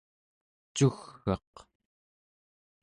cugg'eq